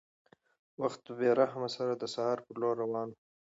وخت په بې رحمۍ سره د سهار په لور روان و.